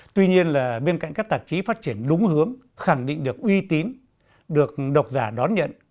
tuy nhiên là bên cạnh các tạp chí phát triển đúng hướng khẳng định được uy tín được độc giả đón nhận